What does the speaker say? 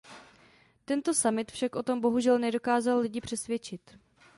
Tento summit však o tom bohužel nedokázal lidi přesvědčit.